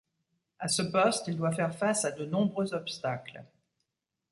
À ce poste il doit faire face à de nombreux obstacles.